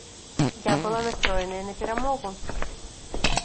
Я была настроеная на перамогу.